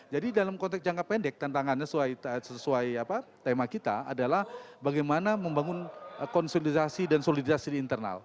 dalam konteks jangka pendek tantangannya sesuai tema kita adalah bagaimana membangun konsolidasi dan solidasi di internal